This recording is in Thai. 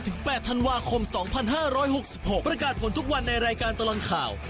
๘ธันวาคม๒๕๖๖ประกาศผลทุกวันในรายการตลอดข่าว